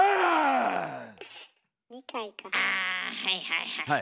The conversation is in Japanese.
あはいはいはい。